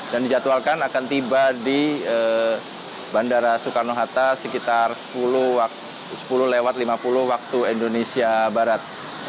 dan dijadwalkan akan tiba di bandara soekarno hatta sekitar sepuluh lewat lima puluh waktu indonesia barat